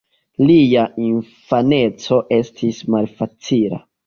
Lia infaneco estis malfacila.